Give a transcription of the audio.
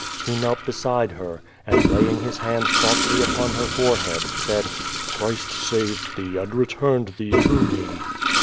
He knelt beside her, and, laying his hand softly upon her forehead, said: "Christ.saved thee and returned thee to me!